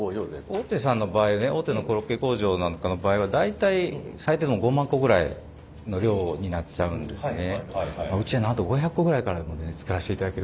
大手さんの場合ね大手のコロッケ工場なんかの場合は大体最低でも５万個ぐらいの量になっちゃうんですね。